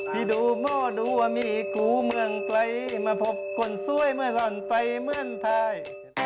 ที่ดูหมอดูว่ามีกูเมืองไกลมาพบคนสวยเมื่อก่อนไปเมืองไทย